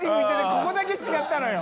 ここだけ違ったのよ。